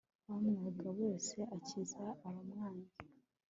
bamwanga bose akiza abamwanze